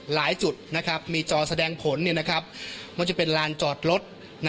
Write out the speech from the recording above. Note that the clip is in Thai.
หลายจุดมีจอแสดงผลว่าจะเป็นลานจอดรถ